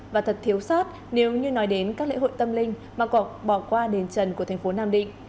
và thật thiếu sót nếu như nói đến các lễ hội tâm linh mà cọc bỏ qua đền trần của thành phố nam định